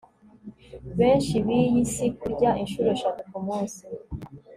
benshi biyi si kurya inshuro eshatu ku munsi